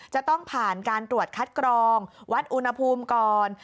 จะต้องผ่านการตรวจคัดกรองวัดอุณหภูมิก่อน